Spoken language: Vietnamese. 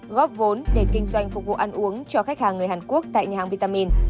góp vốn để kinh doanh phục vụ ăn uống cho khách hàng người hàn quốc tại nhà vitamin